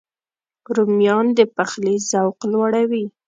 رومیان د پخلي ذوق لوړوي